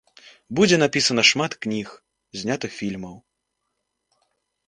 Будзе напісана шмат кніг, знята фільмаў.